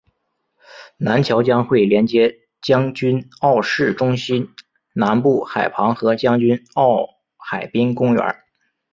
南桥将会连接将军澳市中心南部海旁和将军澳海滨公园。